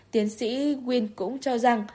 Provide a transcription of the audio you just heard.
tiến sĩ gwynne cũng cho rằng